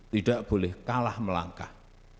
tidak boleh kalah melangkah